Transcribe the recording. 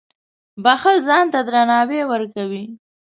• بښل ځان ته درناوی ورکوي.